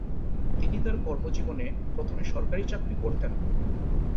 তিনি তার কর্মজীবনের প্রথমে সরকারি চাকুরি করতেন।